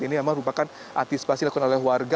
ini memang merupakan atispasi lakukan oleh warga